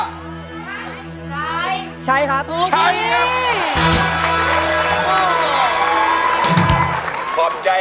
ขอบใจน้องตั๊มมากที่ไม่หาย